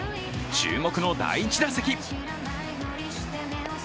注目の第１打席。